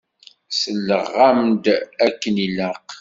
Selleɣ-am-d akken ilaq.